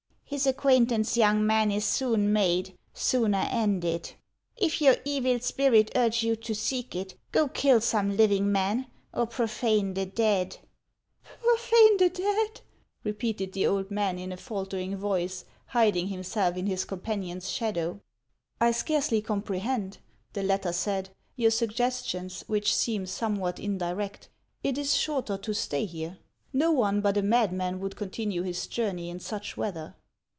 " His acquaintance, young man, is soon made, sooner ended. If your evil spirit urge you to seek it, go kill some living man, or profane the dead." " Profane the dead !" repeated the old man, in a fal tering voice, hiding himself in his companion's shadow. " I scarcely comprehend," the latter said, " your sugges tions, which seem somewhat indirect ; it is shorter to stay here. No one but a madman would continue his journey in such weather."